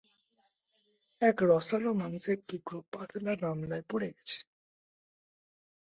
এক রসালো মাংসের টুকরো পাতলা গামলায় পড়ে গেছে!